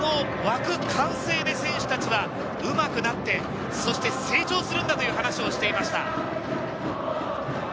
この沸く歓声で選手たちはうまくなって、そして成長するんだという話をしていました。